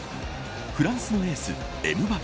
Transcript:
フランスのエース、エムバペ。